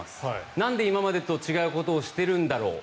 なんで今までと違うことをしてるんだろう。